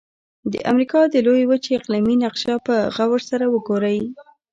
د امریکا د لویې وچې اقلیمي نقشه په غور سره وګورئ.